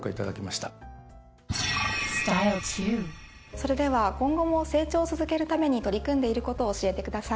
それでは今後も成長を続けるために取り組んでいることを教えてください。